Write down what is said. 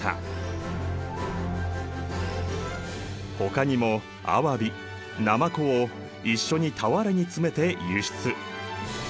ほかにもアワビナマコを一緒に俵に詰めて輸出。